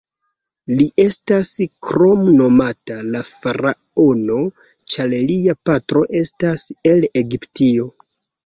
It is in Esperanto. Li estas kromnomata "la faraono", ĉar lia patro estas el Egiptio.